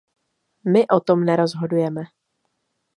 My o tom nerozhodujeme.